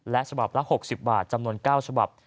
ฉบับละ๖๐บาทจำนวน๙ฉบับ